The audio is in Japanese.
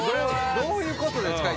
どういうことですか？